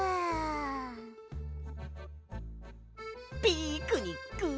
ピクニック！